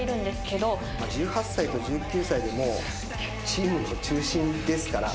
１８歳と１９歳でもうチームの中心ですから。